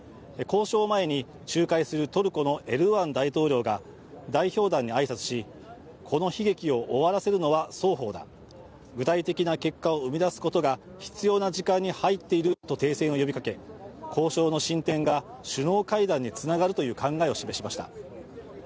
交渉前に仲介するトルコのエルドアン大統領が代表団に挨拶し、この悲劇を終わらせるのは双方だ具体的な結果を生み出すことが必要な時間に入っていると停戦を呼びかけ交渉の進展が首脳会談につながるという考えを示しました。